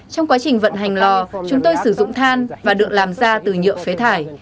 trong quá trình vận hành lò chúng tôi sử dụng than và được làm ra từ nhựa phế thải